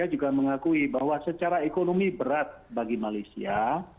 saya juga mengakui bahwa secara ekonomi berat bagi malaysia